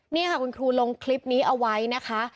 นี่ค่ะคุณครูลงคลิปนี้เอาไว้นะคะ